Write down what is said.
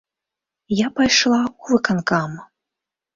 Я пайшла ў выканкам.